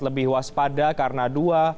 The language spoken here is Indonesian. lebih waspada karena dua